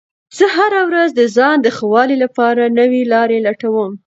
زه هره ورځ د ځان د ښه والي لپاره نوې لارې لټوم